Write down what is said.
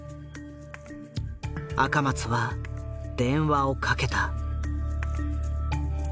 赤松は電話をかけた。